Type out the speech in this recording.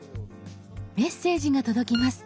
メッセージが届きます。